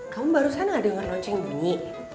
kamu barusan gak denger lonceng bunyi